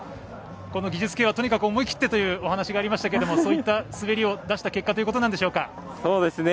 技術系はとにかく思い切ってというお話がありましたけれどもそういった滑りを出した結果ということなんでしょうか。